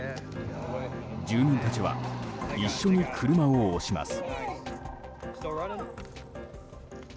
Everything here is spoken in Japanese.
住民たちは一緒に車を押します。